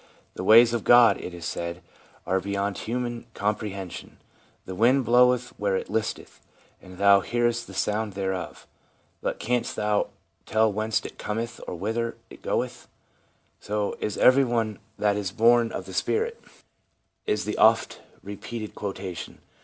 The ways of God, it is said, are beyond human comprehension. * The wind bloweth where it listeth and thou hearest the sound thereof, but canst not tell whence it cometh or whither it goeth ; so is everyone that is born of the Spirit/ is the oft repeated quotation.